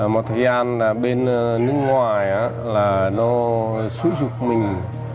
một thời gian bên nước ngoài nó xúi dục mình